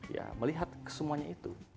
ya melihat kesemuanya itu